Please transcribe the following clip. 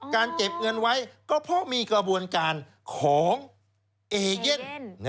เก็บเงินไว้ก็เพราะมีกระบวนการของเอเย่น